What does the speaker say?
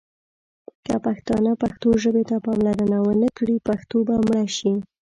که پښتانه پښتو ژبې ته پاملرنه ونه کړي ، پښتو به مړه شي.